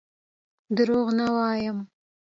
دروغ نه وایم.